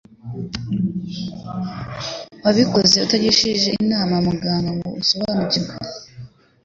wabikoze utagishije inama muganga ngo usonabanukirwe